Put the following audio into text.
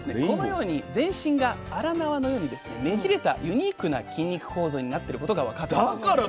このように全身が荒縄のようにねじれたユニークな筋肉構造になってることが分かったんです。